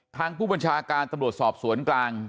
ทางผู้บัญชาการตำรวจสอบสวนกลาง